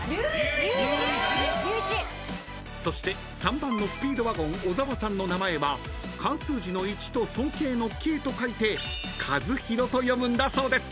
［そして３番のスピードワゴン小沢さんの名前は漢数字の「一」と尊敬の「敬」と書いて「かずひろ」と読むんだそうです］